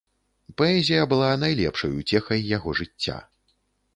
Паэзія была найлепшай уцехай яго жыцця.